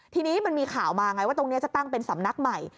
ทีนี้มันมีข่าวมาไงว่าตรงนี้จะตั้งเป็นสำนักใหม่